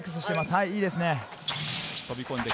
あ、いいですね。